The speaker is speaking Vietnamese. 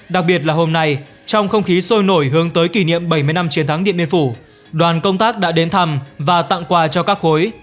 đặc biệt là hôm nay trong không khí sôi nổi hướng tới kỷ niệm bảy mươi năm chiến thắng điện biên phủ đoàn công tác đã đến thăm và tặng quà cho các khối